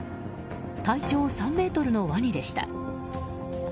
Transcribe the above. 体長３ｍのワニでした。